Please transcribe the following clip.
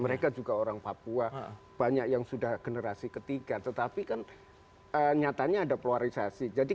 mereka juga orang papua banyak yang sudah generasi ketiga tetapi kan nyatanya ada polarisasi jadi